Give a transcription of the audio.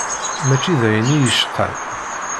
Mačči d ayen i y-icqan.